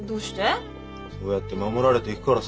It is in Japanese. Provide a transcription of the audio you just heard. そうやって守られていくからさ家族が。